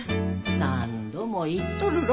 何度も言っとるろ！